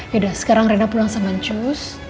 yaudah sekarang reina pulang sama cus